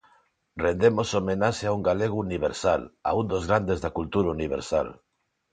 Rendemos homenaxe a un galego universal, a un dos grandes da cultura universal.